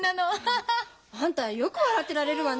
ハハッ！あんたよく笑ってられるわね！